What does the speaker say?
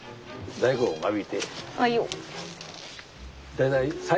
はいよ。